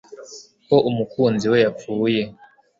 ko umukunzi we yapfuye,